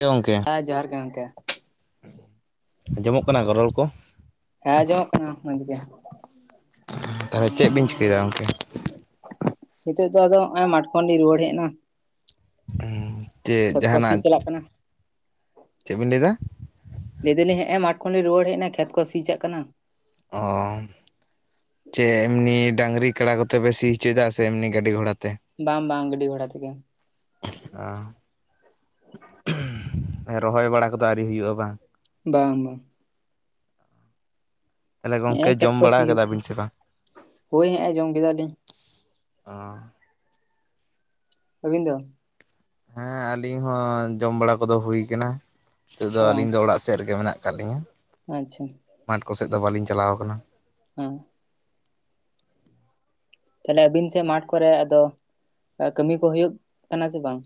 ᱦᱮᱸ ᱜᱚᱢᱠᱮ ᱾ ᱦᱮᱸ ᱡᱚᱦᱟᱨ ᱜᱮ ᱜᱚᱢᱠᱮ ᱾ ᱟᱸᱡᱚᱢᱚᱜ ᱠᱟᱱᱟ ᱜᱚᱨᱚᱲ ᱠᱚ? ᱦᱮᱸ ᱟᱸᱡᱚᱢᱚᱜ ᱠᱟᱱᱟ ᱢᱚᱸᱡᱽ ᱜᱮ ᱾ ᱛᱟᱦᱚᱞᱮ ᱪᱮᱫ ᱵᱤᱱ ᱪᱤᱠᱟᱹᱭ ᱫᱟ ᱜᱚᱢᱠᱮ? ᱱᱤᱛᱳᱜ ᱫᱚ ᱟᱫᱚ ᱱᱚᱜ ᱢᱟᱴᱠᱚᱱ ᱞᱤᱧ ᱨᱩᱣᱟᱹᱲ ᱦᱮᱡ ᱮᱱᱟ ᱾ ᱪᱮᱫ ᱠᱚ ᱥᱤ ᱡᱟᱦᱟᱱᱟᱜ, ᱪᱟᱞᱟᱜ ᱠᱟᱱᱟ ᱪᱮᱫ ᱵᱤᱱ ᱞᱟᱹᱭᱫᱟ? ᱞᱟᱹᱭ ᱫᱟᱞᱤᱧ ᱦᱮ ᱮ ᱢᱟᱴᱷ ᱠᱷᱚᱱ ᱞᱤᱧ ᱨᱩᱶᱟᱹᱲ ᱦᱮᱱ ᱮᱱᱟ ᱠᱷᱮᱛ ᱠᱚ ᱥᱤ ᱪᱟᱞᱟᱜ ᱠᱟᱱᱟ ᱾ ᱚᱻ ᱪᱮ ᱮᱢᱱᱤ ᱰᱟᱝᱨᱤ ᱠᱟᱲᱟ ᱠᱚᱛᱮ ᱯᱮ ᱥᱤ ᱦᱚᱪᱚᱭᱮᱫᱟ ᱥᱮ ᱮᱢᱱᱤ ᱜᱟᱹᱰᱤ ᱜᱷᱚᱲᱟ ᱛᱮ? ᱵᱟᱝ ᱵᱟᱝ ᱜᱟᱹᱰᱤ ᱜᱷᱚᱲᱟ ᱛᱮᱜᱮ ᱾ ᱚ ᱨᱚᱦᱚᱭ ᱵᱟᱲᱟ ᱠᱚᱫᱚ ᱟᱹᱣᱨᱤ ᱦᱩᱭᱩᱜᱼᱟ ᱵᱟᱝ? ᱵᱟᱝ ᱵᱟᱝ ᱾ ᱛᱟᱦᱞᱮ ᱜᱚᱝᱠᱮ ᱦᱮᱸᱜᱼᱮ ᱠᱷᱮᱛ ᱡᱚᱢ ᱠᱚ ᱥᱤ ᱵᱟᱲᱟ ᱦᱩᱭᱩᱜ ᱠᱟᱫᱟ ᱠᱟᱱᱟ ᱵᱤᱱ ᱥᱮ ᱵᱟᱝ? ᱦᱳᱭ ᱦᱮᱸᱜᱼᱮ ᱡᱚᱢ ᱠᱮᱫᱟᱞᱤᱧ ᱚ ᱟᱵᱤᱱ ᱫᱚ? ᱦᱮᱸ ᱟᱹᱞᱤᱧ ᱦᱚᱸ ᱡᱚᱢ ᱵᱟᱲᱟ ᱠᱚᱫᱚ ᱦᱩᱭ ᱠᱟᱱᱟ ᱾ ᱱᱤᱛᱚᱜ ᱫᱚ ᱚ ᱟᱹᱞᱤᱧ ᱫᱚ ᱚᱲᱟᱜ ᱥᱮᱫ ᱨᱮᱜᱮ ᱢᱮᱱᱟᱜ ᱟᱠᱟᱫ ᱞᱤᱧᱟᱹ ᱾ ᱟᱪᱪᱷᱟ ᱾ ᱢᱟᱴ ᱠᱚᱥᱮᱫ ᱫᱚ ᱵᱟᱞᱤᱧ ᱪᱟᱞᱟᱣ ᱟᱠᱟᱱᱟ ᱾ ᱦᱮᱸ ᱛᱟᱦᱞᱮ ᱟᱵᱤᱱ ᱥᱮᱫ ᱢᱟᱴᱷ ᱠᱚᱨᱮ ᱟᱫᱚ ᱠᱟᱹᱢᱤ ᱠᱚ ᱦᱩᱭᱩᱜ ᱠᱟᱱᱟ ᱥᱮ ᱵᱟᱝ?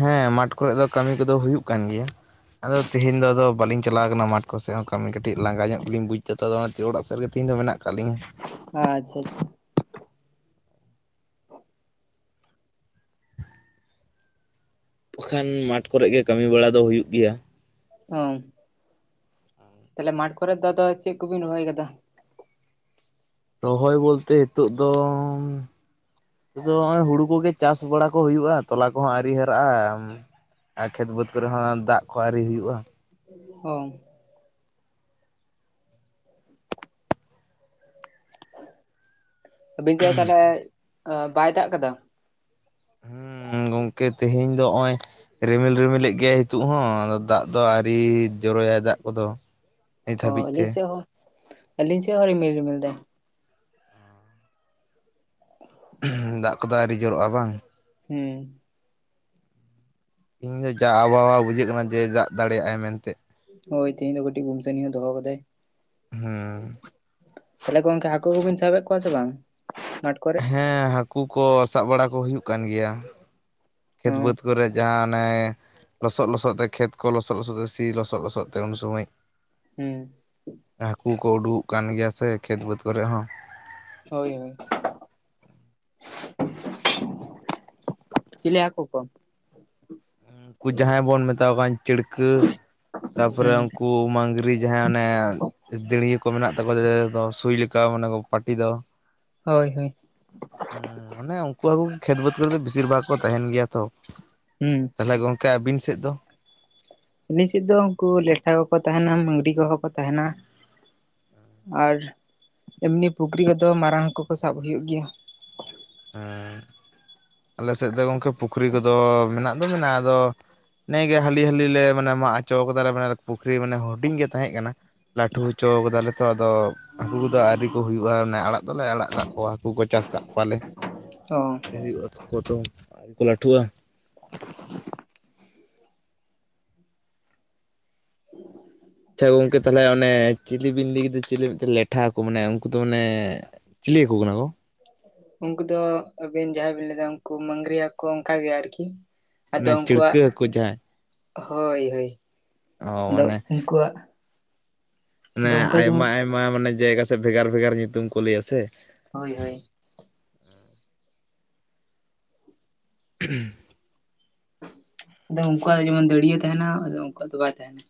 ᱦᱮᱸ ᱢᱟᱴᱷ ᱠᱚᱨᱮ ᱫᱚ ᱠᱟᱹᱢᱤ ᱠᱚᱫᱚ ᱦᱩᱭᱩᱜ ᱠᱟᱱ ᱜᱮᱭᱟ ᱾ ᱟᱫᱚ ᱛᱮᱦᱮᱧ ᱫᱚ ᱟᱫᱚ ᱵᱟᱹᱞᱤᱧ ᱪᱟᱞᱟᱣ ᱠᱟᱱᱟ ᱢᱟᱴᱷ ᱠᱚ ᱥᱮᱫ ᱦᱚᱸ ᱠᱟᱹᱢᱤ ᱠᱟᱹᱴᱤᱡ ᱞᱟᱸᱜᱟ ᱧᱚᱜ ᱜᱮᱞᱤᱧ ᱵᱩᱡᱽ ᱮᱫᱟ ᱛᱚ ᱟᱫᱚ ᱚᱲᱟᱜ ᱥᱮᱫ ᱨᱮᱜᱮ ᱛᱮᱦᱮᱧ ᱫᱚ ᱢᱮᱱᱟᱜ ᱠᱟᱜ ᱞᱤᱝ ᱾ ᱟᱪᱪᱷᱟ ᱟᱪᱪᱷᱟ ᱾ ᱵᱟᱠᱷᱟᱱ ᱢᱟᱴᱷ ᱠᱚᱨᱮ ᱜᱮ ᱠᱟᱹᱢᱤ ᱵᱟᱲᱟ ᱫᱚ ᱦᱩᱭᱩᱜ ᱜᱮᱭᱟ ᱾ ᱦ ᱛᱟᱦᱚᱞᱮ ᱢᱟᱴᱷ ᱠᱚᱨᱮ ᱫᱚ ᱟᱫᱚ ᱪᱮᱫ ᱠᱚᱵᱤᱱ ᱨᱚᱦᱚᱭ ᱟᱠᱟᱫᱟ? ᱨᱚᱦᱚᱭ ᱵᱚᱞᱛᱮ ᱱᱤᱛᱚᱜ ᱫᱚᱻ ᱟᱫᱚ ᱱᱚᱜᱼᱚᱭ ᱦᱩᱲᱩ ᱠᱚᱜᱮ ᱪᱟᱥ ᱵᱟᱲᱟ ᱠᱚ ᱦᱩᱭᱩᱜᱼᱟ ᱛᱚᱞᱟ ᱠᱚᱦᱚᱸ ᱟᱶᱹᱨᱤ ᱦᱟᱨᱟᱜᱼᱟ ᱾ ᱟᱨ ᱠᱷᱮᱛ ᱵᱟᱹᱫᱽ ᱠᱚᱨᱮ ᱦᱚᱸ ᱫᱟᱜ ᱠᱚ ᱟᱹᱨᱤ ᱦᱩᱭᱩᱜᱼᱟ ᱾ ᱚ ᱟᱹᱵᱤᱱ ᱥᱮᱫ ᱛᱟᱦᱞᱮ ᱵᱟᱭ ᱫᱟᱜ ᱠᱟᱫᱟ? ᱦᱮᱸ ᱜᱚᱝᱠᱮ ᱛᱮᱦᱮᱧ ᱫᱚ ᱚᱜᱼᱚᱭ ᱨᱤᱢᱤᱞ ᱨᱤᱢᱤᱞᱮᱫ ᱜᱮᱭᱟᱭ ᱱᱤᱛᱚᱜ ᱦᱚᱸ ᱟᱫᱚ ᱫᱟᱜ ᱫᱚ ᱟᱹᱣᱨᱤ ᱡᱚᱨᱚᱭᱟᱭ ᱫᱟᱜ ᱠᱚᱫᱚ ᱾ ᱚ ᱟᱞᱤᱧ ᱥᱮᱫ ᱦᱚ ᱟᱞᱤᱧ ᱥᱮᱫ ᱦᱚ ᱨᱤᱢᱤᱞ ᱨᱤᱢᱤᱞ ᱫᱟᱭ ᱾ ᱫᱟᱜ ᱠᱚᱫᱚ ᱟᱹᱶᱨᱤ ᱡᱚᱨᱚᱜᱼᱟ ᱵᱟᱝ? ᱦᱮᱸ ᱾ ᱤᱧ ᱫᱚ ᱡᱟ ᱟᱵᱦᱟᱣᱟ ᱵᱩᱡᱷᱟᱹᱜ ᱠᱟᱱᱟ ᱡᱮ ᱫᱟᱜ ᱫᱟᱲᱮᱭᱟᱜᱟᱭ ᱢᱮᱱᱛᱮ ᱾ ᱦᱳᱭ ᱛᱮᱦᱤᱧ ᱫᱚ ᱠᱟᱹᱴᱤᱡ ᱜᱩᱢᱥᱟᱱᱤ ᱦᱚᱸ ᱫᱚᱦᱚ ᱠᱟᱫᱟᱭ ᱦᱩᱸ ᱾ ᱛᱟᱦᱚᱞᱮ ᱜᱚᱝᱠᱮ ᱦᱟᱹᱠᱩ ᱠᱚᱵᱤᱱ ᱥᱟᱵᱮᱫ ᱠᱚᱣᱟ ᱥᱮ ᱵᱟᱝᱼᱼᱼ ᱦᱮᱸ ᱦᱟᱹᱠᱩ ᱠᱚ ᱥᱟᱵ ᱵᱟᱲᱟ ᱠᱚ ᱦᱩᱭᱩᱜ ᱠᱟᱱ ᱜᱮᱭᱟ᱾ ᱚ ᱠᱷᱮᱛ ᱵᱟᱹᱫᱽ ᱠᱚᱨᱮ ᱡᱟᱦᱟᱸ ᱚᱱᱮᱼᱼᱼ ᱞᱚᱥᱚᱫ ᱞᱚᱥᱚᱫ ᱛᱮ ᱠᱷᱮᱛ ᱠᱚ ᱞᱚᱥᱚᱫ ᱞᱚᱥᱚᱫ ᱛᱮ ᱥᱤ ᱞᱚᱥᱚᱫ ᱞᱚᱥᱚᱫ ᱛᱮ ᱩᱱ ᱥᱚᱢᱚᱭ᱾ ᱦᱩᱸ᱾ ᱦᱟᱹᱠᱩ ᱠᱚ ᱩᱰᱩᱠᱚᱜ ᱠᱟᱱ ᱜᱮᱭᱟ ᱥᱮ ᱠᱷᱮᱛ ᱵᱟᱹᱫᱽ ᱠᱚᱨᱮ ᱦᱚᱸ᱾ ᱦᱳᱭ ᱦᱳᱭ᱾ ᱪᱤᱞᱤ ᱦᱟᱹᱠᱩ ᱠᱚ? ᱩᱱᱠᱩ ᱡᱟᱦᱟᱸᱭ ᱵᱚᱱ ᱢᱮᱛᱟ ᱠᱚ ᱠᱟᱱ ᱪᱟ. ᱲᱠᱟᱹ ᱛᱟᱯᱚᱨᱮ ᱦᱩᱸ ᱩᱱᱠᱩ ᱢᱟᱝᱽᱨᱤ᱾ ᱡᱟᱦᱟᱸ ᱚᱱᱮ ᱫᱟᱹᱲᱭᱟᱹ ᱠᱚ ᱢᱮᱱᱟᱜ ᱛᱟᱠᱚ ᱫᱚ ᱥᱩᱭ ᱞᱮᱠᱟ ᱢᱟᱱᱮ ᱯᱟᱴᱤ ᱫᱚ᱾ ᱦᱳᱭ ᱦᱳᱭ ᱦᱩᱸ ᱢᱟᱱᱮ ᱩᱱᱠᱩ ᱠᱩ ᱠᱷᱮᱛ ᱵᱟᱹᱫᱽ ᱠᱚᱨᱮ ᱫᱚ ᱵᱤᱥᱤᱨ ᱵᱷᱟᱜᱽ ᱠᱚ ᱛᱟᱦᱮᱱ ᱜᱮᱭᱟ ᱛᱚ᱾ ᱦᱩᱸ᱾ ᱛᱟᱦᱚᱞᱮ ᱜᱚᱜᱠᱮ ᱟᱹᱵᱤᱱ ᱥᱮᱫ ᱫᱚ? ᱟᱹᱞᱤᱧ ᱥᱮᱫ ᱫᱚ ᱩᱱᱠᱩ ᱞᱮᱴᱷᱟ ᱠᱚᱠᱚ ᱛᱟᱦᱮᱱᱟ ᱢᱟᱹᱝᱜᱽᱨᱤ ᱠᱚᱦᱚᱸ ᱠᱚ ᱛᱟᱦᱮᱱᱟ᱾ ᱟᱨ ᱮᱢᱱᱤ ᱯᱩᱠᱷᱨᱤ ᱦᱚᱛᱚ ᱢᱟᱨᱟᱝ ᱦᱟᱹᱠᱩ ᱠᱚ ᱥᱟᱵ ᱦᱩᱭᱩᱜ ᱜᱮᱭᱟ᱾ ᱦᱩᱸ ᱟᱞᱮ ᱥᱮᱫ ᱫᱚ ᱜᱚᱝᱠᱮ ᱯᱩᱠᱷᱨᱤ ᱠᱚᱫᱚ ᱢᱮᱱᱟᱜ ᱫᱚ ᱢᱮᱱᱟᱜᱼᱟ ᱟᱫᱚᱼᱼᱼ ᱱᱮᱜᱼᱮ ᱜᱮ ᱦᱟᱹᱞᱤ ᱦᱟᱹᱞᱤ ᱞᱮ ᱢᱟᱱᱮ ᱢᱟᱜ ᱦᱚᱪᱚ ᱠᱟᱫᱟᱞᱮ ᱢᱟᱱᱮ ᱯᱩᱠᱷᱨᱤ ᱢᱟᱱᱮ ᱦᱩᱰᱤᱧ ᱜᱮ ᱛᱟᱦᱮᱸ ᱠᱟᱱᱟ᱾ ᱞᱟᱹᱴᱩ ᱦᱚᱪᱚ ᱠᱟᱫᱟᱞᱮ ᱛᱚ ᱟᱫᱚᱼᱼᱼ ᱦᱟᱹᱠᱩ ᱠᱚᱫᱚ ᱟᱹᱣᱨᱤ ᱠᱚ ᱦᱩᱭᱩᱜᱼᱟ ᱚᱱᱮ ᱟᱲᱟᱜ ᱫᱚᱞᱮ ᱟᱲᱟᱜ ᱠᱟᱜ ᱠᱚᱣᱟ ᱦᱟᱹᱠᱩ ᱠᱚ ᱪᱟᱥ ᱟᱠᱟᱫ ᱠᱚᱣᱟᱞᱮ᱾ ᱚ ᱟᱞᱮ ᱦᱩᱭᱩᱜᱼᱟ ᱛᱟᱠᱚ ᱛᱚ ᱟ. ᱨᱤ ᱠᱚ ᱞᱟᱹᱴᱷᱩᱜᱼᱟ᱾ ᱟᱪᱪᱷᱟ ᱜᱚᱝᱠᱮ ᱛᱟᱦᱚᱞᱮ ᱚᱱᱮ ᱪᱤᱞᱤ ᱵᱤᱱ ᱞᱟ. ᱭ ᱠᱮᱫᱟ ᱪᱤᱞᱤ ᱢᱤᱫᱴᱟ. ᱝ ᱞᱮᱴᱷᱟ ᱠᱚ ᱢᱟᱱᱮ ᱩᱱᱠᱩ ᱫᱚ ᱢᱟᱱᱮᱼᱼᱼ ᱪᱤᱞᱤ ᱦᱟᱹᱠᱩ ᱠᱟᱱᱟ ᱠᱚ? ᱩᱱᱠᱩ ᱫᱚ ᱟ. ᱵᱤᱱ ᱡᱟᱦᱟᱸᱭ ᱵᱤᱱ ᱞᱟᱹᱭᱟ ᱮᱫᱟ ᱩᱱᱠᱩ ᱢᱝᱜᱽᱨᱤ ᱦᱟᱹᱠᱩ ᱚᱱᱠᱟ ᱜᱮ ᱟᱨᱠᱤᱼᱼᱼ ᱢᱟᱱᱮ ᱟᱫᱚ ᱪᱤᱲᱠᱟᱹ ᱩᱱᱠᱩᱣᱟᱜ ᱦᱟᱹᱠᱩ ᱡᱟᱦᱟᱸᱭ ᱦᱳᱭ ᱦᱳᱭ᱾ ᱚ ᱟᱫᱚ ᱢᱟᱱᱮ ᱩᱱᱠᱩᱣᱟᱜᱼᱼᱼ ᱢᱟᱱᱮ ᱟᱭᱢᱟ ᱟᱭᱢᱟ ᱢᱟᱱᱮ ᱡᱟᱭᱜᱟ ᱥᱮᱫ ᱵᱷᱮᱜᱟᱨ ᱵᱷᱮᱜᱟᱨ ᱧᱩᱛᱩᱢ ᱠᱚ ᱞᱟᱹᱭᱟ ᱥᱮ? ᱦᱳᱭ ᱦᱳᱭ᱾ [inaudible] ᱟᱫᱚ ᱩᱱᱠᱩᱣᱟᱜ ᱡᱮᱢᱚᱱ ᱫᱟᱹᱲᱭᱟᱹ ᱛᱟᱦᱮᱱᱟ ᱟᱫᱚ ᱩᱱᱠᱩᱣᱟᱜ ᱫᱚ ᱵᱟᱭ ᱛᱟᱦᱮᱱᱟ᱾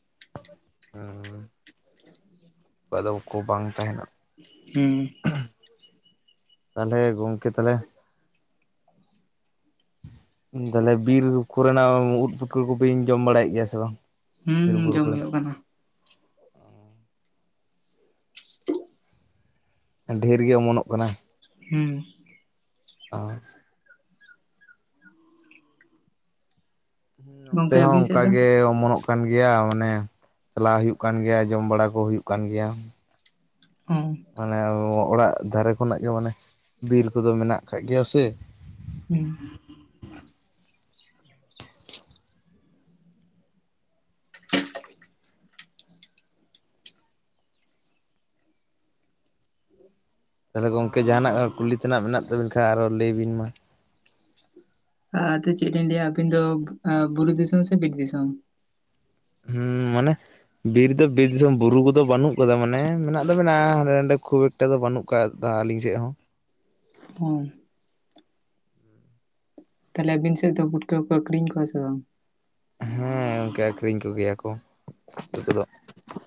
ᱚᱠᱟᱫᱚ ᱠᱚ ᱵᱟᱝ ᱛᱟᱦᱮᱱᱟ᱾ ᱦᱩᱸ᱾ ᱛᱟᱦᱞᱮ ᱜᱚᱝᱠᱮ ᱛᱟᱦᱞᱮᱼᱼᱼ ᱛᱟᱦᱞᱮ ᱵᱤᱨ ᱠᱚᱨᱮᱱᱟᱜ ᱩᱫ ᱯᱩᱴᱟᱹ ᱠᱚᱵᱤᱱ ᱡᱚᱢ ᱵᱟᱲᱟᱭᱮᱫ ᱜᱮᱭᱟ ᱥᱮ ᱵᱟᱝ? ᱵᱤᱨ ᱦᱩᱸ ᱵᱩᱨᱩ ᱡᱚᱢ ᱠᱚᱨᱮᱱᱟᱜ ᱦᱩᱭᱩᱜ ᱠᱟᱱᱟ᱾ [inaudible] ᱰᱷᱮᱨ ᱜᱮ ᱚᱢᱚᱱᱚᱜ ᱠᱟᱱᱟ᱾ ᱦᱩᱸ᱾ [inaudible] ᱱᱚᱱᱛᱮ ᱜᱚᱝᱠᱮ ᱦᱚᱸ ᱟᱹᱵᱤᱱ ᱚᱱᱠᱟ ᱥᱮᱫ ᱫᱚ? ᱜᱮ ᱚᱢᱚᱱᱚᱜ ᱠᱟᱱᱟ᱾ ᱦᱩᱭᱩᱜ ᱠᱟᱱ ᱜᱮᱭᱟ ᱚᱱᱮ ᱪᱟᱞᱟᱜ ᱦᱩᱭᱩᱜ ᱠᱟᱱ ᱜᱮᱭᱟ ᱡᱚᱢ ᱵᱟᱲᱟ ᱠᱚ ᱦᱩᱭᱩᱜ ᱠᱟᱱ ᱜᱮᱭᱟ᱾ ᱦᱚᱸ᱾ ᱢᱟᱱᱮ ᱚᱲᱟᱜ ᱫᱷᱟᱨᱮ ᱠᱷᱚᱱᱟᱜ ᱜᱮ ᱢᱟᱱᱮ ᱵᱤᱨ ᱠᱚᱫᱚ ᱢᱮᱱᱟᱜ ᱟᱠᱟᱫ ᱜᱮᱭᱟ ᱥᱮ᱾ ᱦᱩᱸ᱾ [inaudible] ᱛᱟᱦᱞᱮ ᱜᱚᱝᱠᱮ ᱡᱟᱦᱟᱱᱟᱜ ᱠᱩᱞᱤ ᱛᱟᱱᱟᱜ ᱢᱮᱱᱟᱜ ᱛᱟ. ᱵᱤᱱ ᱠᱷᱟᱱ ᱟᱨᱦᱚ ᱞᱟᱹᱭ ᱵᱤᱱ ᱢᱟ᱾ ᱦᱮᱸ ᱛᱤᱥ ᱟᱫᱚ ᱞᱟᱹᱭᱟ ᱟᱵᱤᱱ ᱫᱚ ᱵᱩᱨᱩ ᱫᱤᱥᱚᱢ ᱥᱮ ᱵᱤᱨ ᱫᱤᱥᱚᱢ? ᱦᱩᱸ ᱢᱟᱱᱮᱼᱼ ᱵᱤᱨ ᱫᱚ ᱵᱤᱨ ᱫᱤᱥᱚᱢ ᱵᱩᱨᱩ ᱠᱚᱫᱚ ᱵᱟᱹᱱᱩᱜ ᱟᱠᱟᱫᱟ ᱢᱟᱱᱮ ᱢᱮᱱᱟᱜ ᱫᱚ ᱢᱮᱱᱟᱜᱼᱟ ᱦᱟᱸᱰᱮ ᱱᱟᱰᱮ ᱠᱷᱩᱵ ᱮᱠᱴᱼᱼ ᱚᱝᱠᱟ ᱫᱚ ᱵᱟᱹᱱᱩᱜ ᱟᱠᱟᱫᱟ ᱟᱹᱞᱤᱧ ᱥᱮᱫ ᱦᱚᱸ ᱾ ᱦᱚᱸ ᱛᱟᱦᱚᱞᱮ ᱟᱹᱵᱤᱱ ᱥᱮᱫ ᱫᱚ ᱯᱩᱴᱠᱟᱹ ᱠᱚ ᱟᱹᱷᱨᱤᱧ ᱠᱚᱣᱟ ᱥᱮ ᱵᱟᱝ? ᱦᱮᱸ ᱜᱚᱝᱠᱮ ᱟᱹᱠᱷᱨᱤᱧ ᱠᱚᱜᱮᱭᱟ ᱠᱚ ᱱᱩᱠᱩ ᱫᱚ ᱾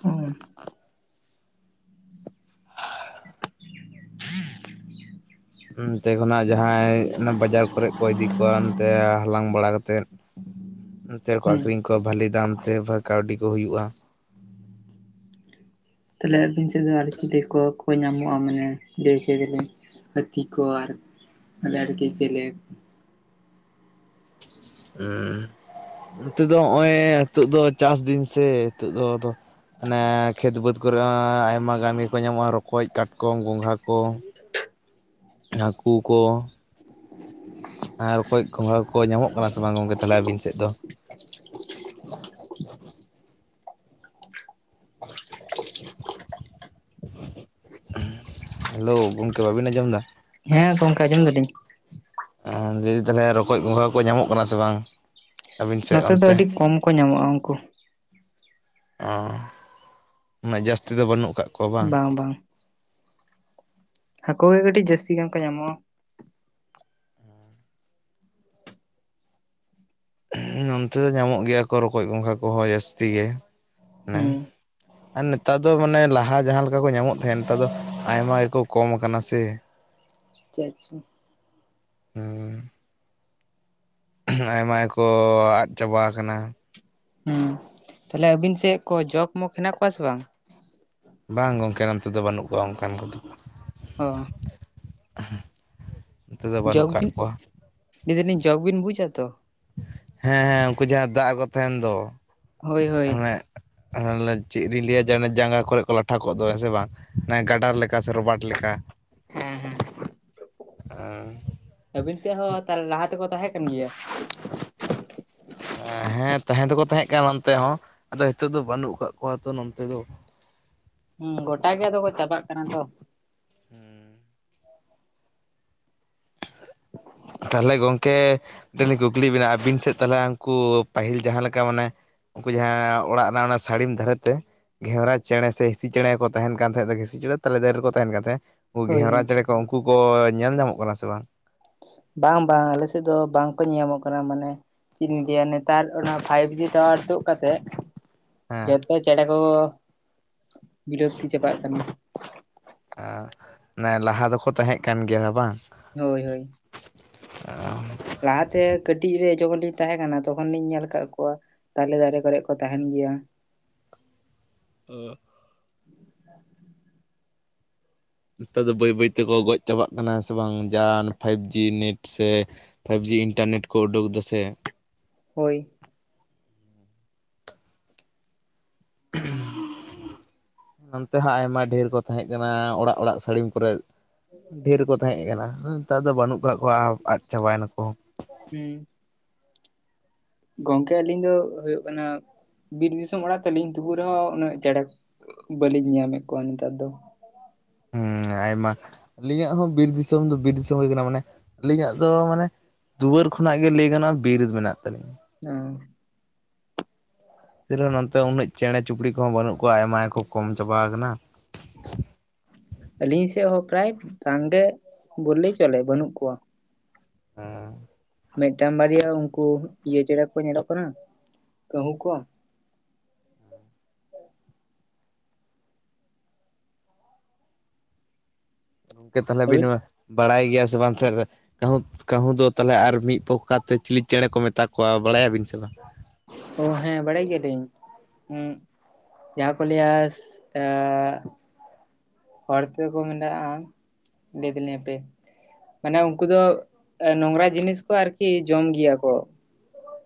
ᱦᱚᱸ [unintelligible] ᱚᱱᱛᱮ ᱠᱷᱚᱱᱟᱜ ᱡᱟᱦᱟᱸᱭ ᱚᱱᱟ ᱵᱟᱡᱟᱨ ᱠᱚᱨᱮ ᱠᱚ ᱤᱫᱤ ᱠᱚᱣᱟ ᱚᱱᱛᱮ ᱦᱟᱞᱟᱝ ᱵᱟᱲᱟ ᱠᱟᱛᱮᱫᱼᱼ ᱱᱚᱱᱛᱮ ᱨᱮᱠᱚ ᱦᱮᱸ ᱟᱹᱷᱨᱤᱧ ᱠᱚᱣᱟ ᱵᱷᱟᱞᱤ ᱫᱟᱢᱛᱮ ᱠᱟᱹᱣᱰᱤ ᱠᱚ ᱦᱩᱭᱩᱜᱼᱟ ᱾ ᱛᱟᱦᱞᱮ ᱟᱹᱵᱤᱱ ᱥᱮᱫ ᱫᱚ ᱟᱨ ᱪᱤᱞᱤ ᱠᱚᱠᱚ ᱧᱟᱢᱚᱜᱼᱟ ᱢᱟᱱᱮ ᱞᱟᱹᱭ ᱦᱚᱪᱚᱭ ᱫᱟᱞᱤᱧ ᱾ ᱦᱟᱹᱛᱤ ᱠᱚ ᱟᱨ ᱡᱟᱨᱠᱤ ᱡᱮᱞᱮᱼᱼ ᱱᱚᱛᱮ ᱫᱚ ᱱᱚᱜᱼᱚᱭ [unintelligible] ᱱᱤᱛᱚᱜ ᱫᱚ ᱪᱟᱥ ᱫᱤᱱ ᱥᱮ ᱱᱤᱛᱚᱜ ᱫᱚ ᱟᱫᱚᱼᱼ ᱚᱱᱟ ᱠᱷᱮᱛ ᱵᱟᱹᱫᱽ ᱠᱚᱨᱮ ᱦᱚᱸ ᱟᱭᱢᱟ ᱜᱟᱱ ᱜᱮᱠᱚ ᱧᱟᱢᱚᱜᱼᱟ ᱨᱚᱠᱚᱡ, ᱠᱟᱴᱠᱚᱢ, ᱜᱚᱸᱜᱷᱟ ᱠᱚ ᱾ ᱦᱟᱹᱠᱩ ᱠᱚ ᱾ ᱟᱨ ᱚᱠᱚᱭᱡ ᱠᱷᱚᱸᱷᱟ ᱠᱚ ᱧᱟᱢᱚᱜ ᱠᱟᱱᱟ ᱥᱮ ᱵᱟᱝ ᱜᱚᱝᱠᱮ ᱛᱟᱦᱚᱞᱮ ᱟᱹᱵᱤᱱ ᱥᱮᱫ ᱫᱚ? ᱦᱮᱞᱳ ᱜᱚᱢᱠᱮ ᱵᱟᱹᱵᱤᱱ ᱟᱸᱡᱚᱢ ᱫᱟ ᱾ ᱦᱮᱸ ᱜᱚᱢᱠᱮ ᱟᱸᱡᱚᱢ ᱫᱟᱞᱤᱧ ᱾ ᱟᱨ ᱞᱟᱹᱭ ᱫᱟᱞᱮ ᱨᱚᱠᱚᱡ ᱜᱚᱸᱜᱦᱟ ᱠᱚ ᱧᱟᱢᱚᱜ ᱠᱟᱱᱟ ᱥᱮ ᱵᱟᱝ? ᱟᱹᱵᱤᱱ ᱥᱮᱫ ᱱᱚᱛᱮ ᱫᱚ ᱚᱱᱛᱮ ᱟᱹᱰᱤ ᱠᱚᱢ ᱠᱚ ᱧᱟᱢᱚᱜᱼᱟ ᱩᱱᱠᱳ ᱾ ᱚᱸ ᱩᱱᱟᱹᱜ ᱡᱟᱹᱥᱛᱤ ᱫᱚ ᱵᱟᱹᱱᱩᱜ ᱠᱟᱜᱼᱼ ᱵᱟᱝ ᱵᱟᱝ ᱾ ᱦᱟᱹᱠᱩ ᱜᱮ ᱠᱟᱹᱴᱤᱡ ᱡᱟᱹᱥᱛᱤ ᱧᱚᱜ ᱠᱚ ᱧᱟᱢᱚᱜᱼᱟ ᱾ ᱦᱩᱸ ᱚᱱᱛᱮ ᱫᱚ ᱧᱟᱢᱚᱜ ᱜᱮᱭᱟ ᱠᱚ ᱨᱚᱠᱚᱡ ᱜᱚᱸᱜᱷᱟ ᱠᱚᱦᱚᱸ ᱡᱟᱹᱥᱛᱤ ᱜᱮ ᱢᱮᱱᱼᱼ ᱦᱩᱸ ᱟᱨ ᱱᱮᱛᱟᱨ ᱫᱚ ᱢᱟᱱᱮ ᱞᱟᱦᱟ ᱡᱟᱦᱟᱸ ᱞᱮᱠᱟ ᱠᱚ ᱧᱟᱢᱚᱜ ᱛᱟᱦᱮᱸᱫ ᱱᱮᱛᱟᱨ ᱫᱚ ᱟᱭᱢᱟ ᱜᱮᱠᱚ ᱠᱚᱢ ᱟᱠᱟᱱᱟ ᱥᱮ ᱾ ᱟᱪᱪᱷᱟ ᱟᱪᱪᱷᱟ ᱾ ᱦᱩᱸ ᱦᱮᱸ ᱟᱭᱢᱟ ᱜᱮ ᱠᱚ ᱟᱫ ᱪᱟᱵᱟ ᱟᱠᱟᱱᱟ ᱾ ᱦᱩᱸ ᱛᱟᱦᱞᱮ ᱟᱵᱤᱱ ᱥᱮᱜ ᱠᱚ ᱡᱚᱜ ᱢᱚᱜᱽ ᱦᱮᱱᱟᱜ ᱠᱚᱣᱟ ᱥᱮ ᱵᱟᱝ? ᱵᱟᱝ ᱜᱚᱢᱠᱮ ᱱᱚᱛᱮ ᱫᱚ ᱵᱟᱹᱱᱩᱜ ᱠᱚᱣᱟ ᱚᱱᱠᱟᱱ ᱠᱚᱫᱚ ᱾ ᱚᱸ [inaudible] ᱱᱚᱛᱮ ᱫᱚ ᱵᱟᱹᱱᱩᱜ ᱡᱚᱜᱽ ᱠᱟᱜ ᱵᱤᱱ ᱠᱚᱣᱟ ᱞᱟᱹᱭ ᱫᱟᱞᱤᱧ ᱡᱚᱜᱽ ᱵᱤᱱ ᱵᱩᱡᱟ ᱛᱚ ᱾ ᱦᱮᱸ ᱦᱮᱸ ᱩᱱᱠᱩ ᱡᱟᱦᱟᱸ ᱫᱟᱜ ᱨᱮᱠᱚ ᱛᱟᱦᱮᱱ ᱫᱚ ᱦᱳᱭ ᱦᱳᱭ ᱟᱱᱮᱼᱼ ᱦᱮ ᱪᱮᱫ ᱞᱤᱧ ᱞᱟᱹᱭᱟ ᱡᱮ ᱚᱱᱮ ᱡᱟᱸᱜᱟ ᱠᱚᱨᱮ ᱠᱚ ᱞᱟᱴᱷᱟ ᱠᱚᱜ ᱫᱚ ᱦᱮᱸ ᱥᱮ ᱵᱟᱝ ᱾ ᱚᱱᱟ ᱜᱟᱰᱟᱨ ᱞᱮᱠᱟ ᱥᱮ ᱨᱚᱵᱟᱴ ᱞᱮᱠᱟ ᱾ ᱦᱩᱸ ᱦᱩᱸ ᱚᱸ ᱟᱹᱵᱤᱱ ᱥᱮᱫ ᱦᱚᱸ ᱛᱟᱦᱮ ᱞᱟᱦᱟ ᱛᱮᱠᱚ ᱛᱟᱦᱮᱸ ᱠᱟᱱ ᱜᱮᱭᱟ? ᱦᱮᱸ ᱛᱟᱦᱮᱸ ᱫᱚᱠᱚ ᱛᱟᱦᱮᱸ ᱠᱟᱱᱟ ᱚᱱᱛᱮ ᱦᱚᱸ ᱟᱫᱚ ᱱᱤᱛᱚᱜ ᱫᱚ ᱵᱟᱹᱱᱩᱜ ᱠᱟᱫ ᱠᱚᱣᱟ ᱛᱚ ᱱᱚᱛᱮ ᱫᱚ ᱾ ᱦᱩᱸ ᱜᱚᱴᱟ ᱜᱮ ᱟᱫᱚ ᱠᱚ ᱪᱟᱵᱟᱜ ᱠᱟᱱᱟ ᱛᱚ ᱾ ᱦᱩᱸ ᱛᱟᱦᱚᱞᱮ ᱜᱚᱝᱠᱮ ᱢᱤᱫᱴᱮᱱ ᱞᱤᱧ ᱠᱩᱠᱞᱤ ᱵᱤᱱᱟ ᱟᱵᱤᱱ ᱥᱮᱡ ᱛᱟᱦᱞᱮ ᱦᱟᱝᱠᱩ ᱯᱟᱹᱦᱤᱞ ᱡᱟᱦᱟᱸ ᱞᱮᱠᱟ ᱢᱟᱱᱮᱼᱼ ᱩᱱᱠᱩ ᱡᱟᱦᱟᱸ ᱚᱲᱟᱜ ᱨᱮᱱᱟᱜ ᱚᱱᱟ ᱥᱟᱹᱲᱤᱢ ᱫᱷᱟᱨᱮᱛᱮᱼᱼ ᱜᱷᱮᱣᱨᱟ ᱪᱮᱬᱮ ᱥᱮ ᱦᱤᱸᱥᱤ ᱪᱮᱬᱮ ᱠᱚ ᱛᱟᱦᱮᱱ ᱠᱟᱱ ᱛᱟᱦᱮᱸᱫ ᱫᱚ ᱦᱤᱸᱥᱤ ᱪᱮᱬᱮ ᱫᱚ ᱛᱟᱞᱮ ᱫᱟᱨᱮ ᱨᱮᱠᱚ ᱛᱟᱦᱮᱱ ᱠᱟᱱ ᱛᱟᱦᱮᱸᱫ ᱾ ᱩᱱᱠᱩ ᱦᱳᱭ ᱜᱷᱮᱣᱨᱟ ᱦᱳᱭ ᱪᱮᱬᱮ ᱠᱚ ᱩᱱᱠᱩ ᱠᱚ ᱧᱮᱞ ᱧᱟᱢᱚᱜ ᱠᱟᱱᱟ ᱥᱮ ᱵᱟᱝ? ᱵᱟᱝ ᱵᱟᱝ ᱟᱞᱮᱥᱮᱡ ᱫᱚ ᱵᱟᱝᱠᱚ ᱧᱮᱧᱟᱢᱚᱜ ᱠᱟᱱᱟ ᱢᱟᱱᱮ ᱪᱮᱫ ᱞᱤᱧ ᱞᱟᱹᱭᱟ ᱱᱮᱛᱟᱨ ᱚᱱᱟ ᱯᱷᱟᱭᱤᱵᱽ ᱡᱤ ᱴᱟᱣᱟᱨ ᱛᱩᱫ ᱠᱟᱛᱮᱫ ᱦᱮᱸ ᱡᱚᱛᱚ ᱪᱮᱬᱮ ᱠᱚ ᱵᱤᱞᱟᱹᱛᱤ ᱪᱟᱵᱟᱜ ᱠᱟᱱᱟ ᱾ ᱟ ᱢᱟᱱᱮ ᱞᱟᱦᱟ ᱫᱚᱠᱚ ᱛᱟᱦᱮᱸᱜ ᱠᱟᱱ ᱜᱮᱭᱟ ᱵᱟᱝ? ᱦᱳᱭ ᱦᱳᱭ ᱾ ᱞᱟᱦᱟ ᱛᱮ ᱠᱟᱹᱴᱤᱡ ᱨᱮ ᱡᱚᱠᱷᱚᱱ ᱞᱤᱧ ᱛᱟᱦᱮᱸ ᱠᱟᱱᱟ ᱛᱚᱠᱷᱚᱱ ᱞᱤᱧ ᱧᱮᱞ ᱟᱠᱟᱫ ᱠᱚᱣᱟ ᱾ ᱛᱟᱞᱮ ᱫᱟᱨᱮ ᱠᱚᱨᱮ ᱠᱚ ᱛᱟᱦᱮᱱ ᱜᱮᱭᱟ ᱾ ᱚᱜ [inaudible] ᱱᱮᱛᱟᱨ ᱫᱚ ᱵᱟᱹᱭ ᱵᱟᱹᱭ ᱛᱮᱠᱚ ᱜᱚᱡ ᱪᱟᱵᱟᱜ ᱠᱟᱱᱟ ᱥᱮ ᱵᱟᱝ ᱡᱟᱦᱟᱱ ᱯᱷᱟᱭᱤᱵᱽ ᱡᱤ ᱱᱮᱴ ᱥᱮ ᱯᱷᱟᱭᱤᱵᱽ ᱡᱤ ᱤᱱᱴᱟᱨᱱᱮᱴ ᱠᱚ ᱩᱰᱩᱠ ᱮᱫᱟ ᱥᱮ ᱾ ᱦᱳᱭ ᱾ ᱱᱚᱱᱛᱮ ᱦᱚᱸ ᱟᱭᱢᱟ ᱰᱷᱮᱨ ᱠᱚ ᱛᱟᱦᱮᱸᱜ ᱠᱟᱱᱟ ᱚᱲᱟᱜ ᱚᱲᱟᱜ ᱥᱟᱹᱲᱤᱢ ᱠᱚᱨᱮ ᱰᱷᱮᱨ ᱠᱚ ᱛᱟᱦᱮᱸᱫ ᱠᱟᱱᱟ ᱱᱮᱛᱟᱨ ᱫᱚ ᱵᱟᱹᱱᱩᱜ ᱠᱟᱜ ᱠᱚᱣᱟ ᱟᱫ ᱪᱟᱵᱟᱭᱮᱱᱟ ᱠᱚ ᱾ ᱦᱩᱸ ᱾ ᱜᱚᱝᱠᱮ ᱟᱹᱞᱤᱧ ᱫᱚ ᱦᱩᱭᱩᱜ ᱠᱟᱱᱟ ᱵᱤᱨ ᱫᱤᱥᱚᱢ ᱚᱲᱟᱜ ᱛᱟᱞᱤᱧ ᱛᱩᱵᱩ ᱨᱮᱦᱚᱸ ᱩᱱᱟᱹᱜ ᱪᱮᱬᱮ ᱵᱟᱹᱞᱤᱧ ᱧᱟᱢᱮᱫ ᱠᱚᱣᱟ ᱱᱮᱛᱟᱨ ᱫᱚ ᱾ ᱦᱮᱸ ᱟᱭᱢᱟ ᱟᱹᱞᱤᱧᱟᱜ ᱦᱚᱸ ᱵᱤᱨ ᱫᱤᱥᱚᱢ ᱫᱚ ᱵᱤᱨ ᱫᱤᱥᱚᱢ ᱦᱩᱭ ᱠᱟᱱᱟ ᱢᱟᱱᱮ ᱟᱹᱞᱤᱧᱟᱜ ᱫᱚ ᱢᱟᱱᱮ ᱫᱩᱣᱟᱹᱨ ᱠᱷᱚᱱᱟᱜ ᱜᱮ ᱞᱟᱹᱭ ᱜᱟᱱᱚᱜᱼᱟ ᱵᱤᱨ ᱢᱮᱱᱟᱜ ᱛᱟᱹᱞᱤᱧᱟ ᱾ ᱚᱻ [unintelligible] ᱦᱚᱸ ᱱᱚᱛᱮ ᱩᱱᱟᱹᱜ ᱪᱮᱬᱮ ᱪᱩᱯᱲᱤ ᱠᱚᱦᱚᱸ ᱵᱟᱹᱱᱩᱜ ᱠᱚᱣᱟ ᱟᱭᱢᱟ ᱜᱮ ᱠᱚ ᱠᱚᱢ ᱪᱟᱵᱟ ᱟᱠᱟᱱᱟ ᱾ ᱟᱹᱞᱤᱧ ᱥᱮᱫ ᱦᱚᱸ ᱯᱨᱟᱭ ᱵᱟᱝᱜᱮ ᱵᱚᱞᱞᱮᱭ ᱪᱚᱞᱮ ᱵᱟᱹᱱᱩᱜ ᱠᱚᱣᱟ ᱾ ᱦᱮᱸ ᱾ ᱢᱤᱫᱴᱟᱝ ᱵᱟᱨᱭᱟ ᱩᱱᱠᱩ ᱤᱭᱟᱹ ᱪᱮᱬᱮ ᱠᱚ ᱧᱮᱞᱚᱜ ᱠᱟᱱᱟ ᱠᱟᱹᱦᱩ ᱠᱚ ᱾ ᱜᱚᱝᱠᱮ ᱛᱟᱦᱚᱞᱮ ᱟᱵᱤᱱ ᱦᱟᱹᱵᱤᱱ ᱢᱟ ᱵᱟᱲᱟᱭ ᱜᱮᱭᱟ ᱥᱮ ᱵᱟᱝ ᱛᱟᱦᱞᱮ? ᱠᱟᱹᱦᱩ ᱠᱟᱹᱦᱩ ᱫᱚ ᱛᱟᱦᱚᱞᱮ ᱟᱨ ᱢᱤᱫ ᱯᱚᱠᱟᱛᱮ ᱪᱤᱞᱤ ᱪᱮᱬᱮ ᱠᱚ ᱢᱮᱛᱟ ᱠᱚᱣᱟ ᱵᱟᱲᱟᱭᱟᱵᱤᱱ ᱥᱮ ᱵᱟᱝ? ᱚ ᱦᱮᱸ ᱵᱟᱲᱟᱭ ᱜᱮᱭᱟᱞᱤᱧ ᱾ [inaudible] ᱡᱟᱦᱟᱸ ᱠᱚ ᱞᱟᱹᱭᱟ [unintelligible] [unintelligible] ᱢᱮᱱᱟᱜᱼᱟ ᱞᱟᱹᱭ ᱮᱫᱟᱞᱤᱧᱟ ᱦᱟᱯᱮ ᱢᱟᱱᱮ ᱩᱱᱠᱩ ᱫᱚ ᱱᱚᱝᱨᱟ ᱡᱤᱱᱤᱥ ᱠᱚ ᱟᱨᱠᱤ ᱡᱚᱢ ᱜᱮᱭᱟ ᱠᱚ᱾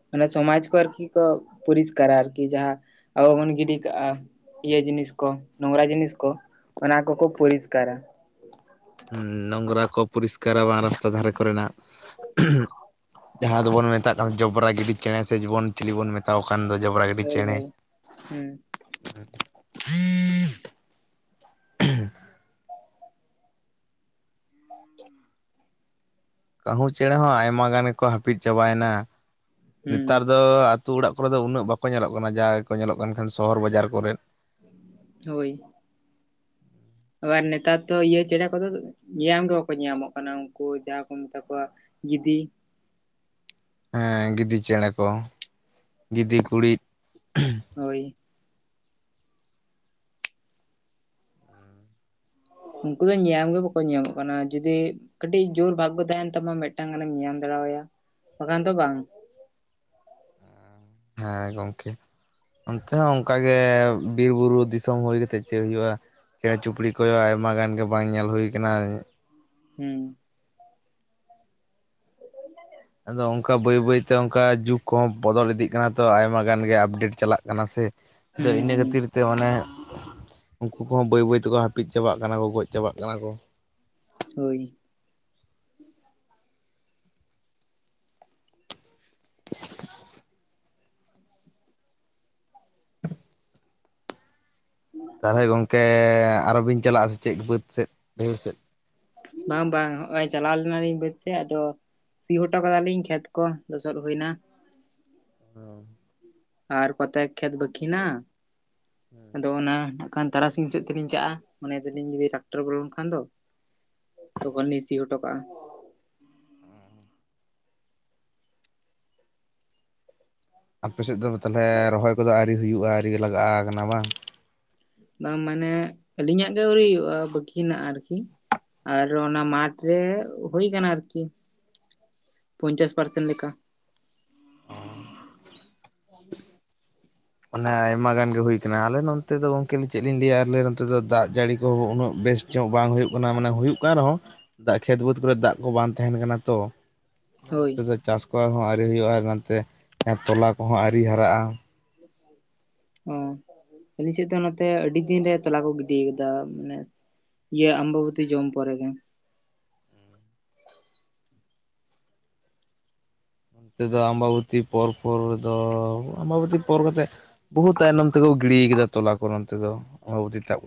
ᱢᱟᱱᱮ ᱥᱚᱢᱟᱡ ᱠᱚ ᱟᱨᱠᱤ ᱠᱚ ᱯᱚᱨᱤᱥᱠᱟᱨᱟ ᱟᱨᱠᱤ ᱡᱟᱦᱟᱸ ᱟᱵᱚ ᱵᱚᱱ ᱜᱤᱰᱤ ᱠᱟᱜᱼᱟ᱾ ᱤᱭᱟᱹ ᱡᱤᱱᱤᱥ ᱠᱚ ᱱᱚᱝᱨᱟ ᱡᱤᱱᱤᱥ ᱠᱚ ᱚᱱᱟ ᱠᱚᱠᱚ ᱯᱚᱨᱤᱥᱠᱟᱨᱟ᱾ ᱱᱚᱝᱨᱟ ᱠᱚ ᱯᱚᱨᱤᱥᱠᱟᱨᱟ ᱵᱟᱝ ᱨᱟᱥᱛᱟ ᱫᱷᱟᱨᱮ ᱠᱚᱨᱮᱱᱟᱜ ᱡᱟᱦᱟᱸ ᱫᱚᱵᱚᱱ ᱢᱮᱛᱟᱜ ᱠᱟᱱᱟ ᱡᱚᱵᱨᱟ ᱜᱤᱰᱤ ᱪᱮᱬᱮ ᱥᱮ ᱡᱤᱵᱚᱱ ᱪᱤᱞᱤ ᱵᱚᱱ ᱢᱮᱛᱟᱣ ᱠᱟᱱ ᱫᱚ ᱡᱚᱵᱨᱟ ᱜᱤᱰᱤ ᱪᱮᱬᱮ ᱾ ᱦᱮᱸ ᱦᱮᱸ [inaudible] [inaudible] ᱠᱟᱹᱦᱩ ᱪᱮᱬᱮ ᱦᱚᱸ ᱟᱭᱢᱟ ᱜᱟᱱ ᱜᱮᱠᱚ ᱦᱟᱹᱯᱤᱫ ᱪᱟᱵᱟᱭᱮᱱᱟ ᱾ ᱦᱩᱸ ᱱᱮᱛᱟᱨ ᱫᱚ ᱫᱚ ᱟᱛᱳ ᱚᱲᱟᱜ ᱠᱚᱨᱮ ᱫᱚ ᱩᱱᱟᱹᱜ ᱵᱟᱠᱚ ᱧᱮᱞᱚᱜ ᱠᱟᱱᱟ ᱡᱟ ᱜᱮᱠᱚ ᱧᱮᱞᱚᱜ ᱠᱟᱱ ᱠᱷᱟᱱ ᱥᱚᱦᱚᱨ ᱵᱟᱡᱟᱨ ᱠᱚᱨᱮᱫ ᱾ ᱦᱳᱭ ᱾ ᱟᱵᱟᱨ ᱱᱮᱛᱟᱨ ᱫᱚ ᱤᱭᱟᱹ ᱪᱮᱬᱮ ᱠᱚᱫᱚ ᱧᱤᱭᱟᱢ ᱜᱮ ᱵᱟᱠᱚ ᱧᱮᱧᱟᱢᱚᱜ ᱠᱟᱱᱟ ᱩᱱᱠᱩ ᱡᱟᱦᱟᱸ ᱠᱚ ᱢᱮᱛᱟ ᱠᱚᱣᱟ ᱜᱤᱫᱤ᱾ ᱦᱮᱸ ᱜᱤᱫᱤ ᱪᱮᱬᱮ ᱠᱚ ᱜᱤᱫᱤ, ᱠᱩᱬᱤᱫ ᱾ ᱦᱳᱭ ᱾ ᱩᱱᱠᱩ ᱫᱚ ᱧᱮᱧᱟᱢ ᱜᱮ ᱵᱟᱠᱚ ᱧᱮᱧᱟᱢᱚᱜ ᱠᱟᱱᱟ ᱡᱩᱫᱤ ᱠᱟᱹᱴᱤᱡ ᱡᱳᱨ ᱵᱷᱟᱜᱜᱳ ᱛᱟᱦᱮᱱ ᱛᱟᱢᱟ ᱢᱤᱫᱴᱟᱝ ᱜᱟᱱᱮᱢ ᱧᱟᱢ ᱫᱟᱲᱮ ᱟᱭᱟ ᱵᱟᱠᱷᱟᱱ ᱫᱚ ᱵᱟᱝ᱾ ᱦᱮᱸ ᱜᱚᱢᱠᱮ᱾ ᱚᱱᱛᱮ ᱦᱚᱸ ᱝᱠᱟᱜᱮ ᱵᱤᱨᱵᱩᱨᱩ ᱫᱤᱥᱚᱢ ᱦᱩᱭ ᱠᱟᱛᱮᱜ ᱪᱮᱫ ᱦᱩᱭᱩᱜᱼᱟ ᱾ ᱪᱮᱬᱮ ᱪᱩᱯᱲᱤ ᱠᱚᱭᱚ ᱟᱭᱢᱟ ᱜᱟᱱ ᱜᱮ ᱵᱟᱝ ᱧᱮᱞ ᱦᱳᱭ ᱟᱠᱟᱱᱟ᱾ ᱦᱮᱸ ᱾ ᱟᱫᱚ ᱝᱠᱟ ᱵᱟᱹᱭ ᱵᱟᱹᱭᱛᱮ ᱝᱠᱟ ᱡᱩᱜᱽ ᱠᱚᱦᱚᱸ ᱵᱚᱫᱚᱞ ᱤᱫᱤᱜ ᱠᱟᱱᱟ ᱛᱚ ᱟᱭᱢᱟ ᱜᱟᱱ ᱜᱮ ᱟᱯᱰᱮᱴ ᱪᱟᱞᱟᱜ ᱠᱟᱱᱟ ᱥᱮ ᱾ ᱫᱚ ᱦᱩᱸ ᱤᱱᱟᱹ ᱦᱩᱸ ᱠᱷᱟᱹᱛᱤᱨ ᱛᱮ ᱚᱱᱮ ᱩᱱᱠᱩ ᱠᱚᱦᱚᱸ ᱵᱟᱹᱭ ᱵᱟᱹᱭ ᱛᱮᱠᱚ ᱦᱟ ᱯᱤᱫ ᱪᱟᱵᱟᱜ ᱠᱟᱱᱟ ᱠᱚ ᱜᱚᱡ ᱪᱟᱵᱟᱜ ᱠᱟᱱᱟ ᱠᱚ᱾ ᱦᱳᱭ ᱾ [unintelligible] ᱛᱟᱦᱚᱞᱮ ᱜᱚᱢᱠᱮ ᱟᱨᱚᱵᱤᱱ ᱪᱟᱞᱟᱜᱼᱟ ᱥᱮ ᱪᱮᱫ ᱵᱟᱹᱫᱽ ᱥᱮᱫ ᱵᱟᱹᱭᱦᱟᱹᱲ ᱥᱮᱫ? ᱵᱟᱝ ᱵᱟᱝ ᱦᱚᱸᱜᱼᱚᱭ ᱪᱟᱞᱟᱣ ᱞᱮᱱᱟᱞᱤᱧ ᱵᱟᱹᱫᱽ ᱥᱮ ᱟᱫᱚ ᱥᱤ ᱦᱚᱴᱚ ᱠᱟᱫᱟᱞᱤᱧ ᱠᱷᱮᱛ ᱠᱚ ᱞᱚᱥᱚᱫ ᱦᱳᱭᱱᱟ᱾ ᱦᱮᱸ ᱟᱨ ᱠᱚᱛᱮᱠ ᱠᱷᱮᱛ ᱵᱟᱠᱷᱤᱱᱟ ᱟᱫᱚ ᱚᱱᱟ ᱠᱷᱟᱱ ᱛᱟᱨᱟᱥᱤᱧ ᱥᱮᱫ ᱛᱮᱞᱤᱧ ᱪᱟᱼᱟ, ᱢᱚᱱᱮ ᱫᱟᱞᱤᱧ ᱡᱩᱫᱤ ᱴᱟᱠᱴᱟᱨ ᱵᱚᱞᱚᱱᱠᱷᱟᱱ ᱫᱚ ᱾ ᱛᱚᱠᱷᱚᱱ ᱞᱤᱧ ᱥᱤ ᱦᱚᱴᱚ ᱠᱟᱜᱼᱟ᱾ ᱟᱯᱮ ᱥᱮᱫ ᱫᱚ ᱛᱟᱦᱚᱞᱮ ᱨᱚᱦᱚᱭ ᱠᱚᱫᱚ ᱟᱣᱨᱤ ᱦᱩᱭᱩᱜᱼᱟ, ᱟᱣᱨᱤᱮ ᱞᱟᱜᱟᱜᱼᱟ ᱠᱟᱱᱟ ᱵᱟᱝ? ᱵᱟᱝ ᱢᱟᱱᱮ ᱟᱹᱞᱤᱧᱟᱜ ᱜᱮ ᱳᱭ ᱵᱟᱠᱤ ᱦᱮᱱᱟᱜᱼᱟ ᱟᱨᱠᱤ᱾ ᱟᱨ ᱚᱱᱟ ᱢᱟᱴᱷ ᱨᱮ ᱦᱩᱭ ᱟᱠᱟᱱᱟ ᱟᱨᱠᱤ᱾ ᱯᱚᱧᱪᱟᱥ ᱯᱟᱨᱥᱮᱱ ᱞᱮᱠᱟ᱾ ᱚᱻ [inaudible] ᱚᱱᱮ ᱟᱭᱢᱟ ᱜᱟᱱ ᱜᱮ ᱦᱳᱭ ᱠᱟᱱᱟ ᱟᱞᱮ ᱱᱚᱛᱮ ᱫᱚ ᱜᱚᱝᱠᱮ ᱪᱮᱫ ᱞᱤᱧ ᱞᱮᱭᱟ ᱟᱞᱮ ᱱᱚᱛᱮ ᱫᱚ ᱫᱟᱜ ᱡᱟᱹᱲᱤ ᱠᱚᱦᱚᱸ ᱩᱱᱟᱹᱜ ᱵᱮᱥᱴ ᱪᱚᱜ ᱵᱟᱝ ᱦᱩᱭᱩᱜ ᱠᱟᱱᱟ ᱢᱟᱱᱮ ᱦᱩᱭᱩᱜ ᱠᱟᱱ ᱨᱮᱦᱚᱸ ᱠᱷᱮᱛ ᱵᱟᱹᱫᱽ ᱠᱚᱨᱮᱜ ᱫᱟᱜ ᱠᱚ ᱵᱟᱝ ᱛᱟᱦᱮᱱ ᱠᱟᱱᱟ ᱛᱚ ᱾ ᱦᱳᱭ ᱱᱚᱱᱛᱮ ᱫᱚ ᱪᱟᱥ ᱠᱚ ᱦᱚᱸ ᱟᱹᱣᱨᱤ ᱦᱩᱭᱩᱜᱼᱟ, ᱱᱚᱛᱮ ᱛᱚᱞᱟ ᱠᱚᱦᱚᱸ ᱟᱹᱣᱨᱤ ᱦᱟᱨᱟᱜᱼᱟ ᱾ [inaudible] ᱚ ᱟᱹᱞᱤᱧ ᱥᱮᱫ ᱫᱚ ᱱᱚᱛᱮ ᱟᱹᱰᱤ ᱫᱤᱱ ᱨᱮ ᱛᱚᱞᱟ ᱠᱚ ᱜᱤᱰᱤ ᱠᱟᱫᱟ ᱢᱟᱱᱮ ᱾ ᱤᱭᱟᱹ ᱟᱢᱵᱚᱵᱚᱛᱤ ᱡᱚᱢ ᱯᱚᱨᱮ ᱜᱮ ᱾ ᱱᱚᱛᱮ ᱫᱚ ᱟᱢᱵᱚᱵᱚᱛᱤ ᱯᱚᱨ ᱯᱚᱨ ᱨᱮᱫᱚ ᱟᱢᱵᱟᱵᱚᱛᱤ ᱯᱚᱨ ᱠᱟᱛᱮᱫ ᱵᱚᱦᱩᱛ ᱛᱟᱭᱱᱚᱢ ᱛᱮᱠᱚ ᱜᱤᱰᱤ ᱠᱟᱫᱟ ᱛᱚᱞᱟ ᱠᱚ ᱱᱚᱱᱛᱮ ᱫᱚ ᱟᱢᱵᱚᱵᱩᱛᱤ ᱛᱟᱵ ᱠᱟᱛᱮ ᱾